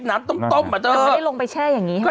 น้ำต้มอ่ะเธอไม่ได้ลงไปแช่อย่างนี้ใช่ไหม